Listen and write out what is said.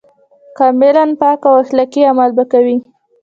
کاملاً پاک او اخلاقي عمل به کوي.